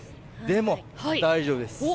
でも大丈夫です。